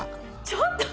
ちょっと！